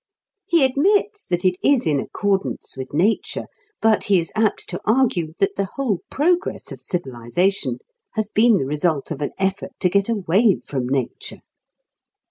He admits that it is in accordance with nature; but he is apt to argue that the whole progress of civilisation has been the result of an effort to get away from nature.